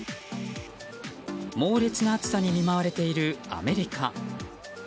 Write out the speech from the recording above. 猛烈な暑さに見舞われているアメリカ。